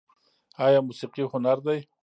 آیا موسیقي هنر دی؟